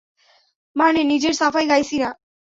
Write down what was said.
মানে, নিজের সাফাই গাইছি না!